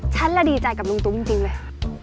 ฉันละดีใจกับน้องตุ้มจริงเลย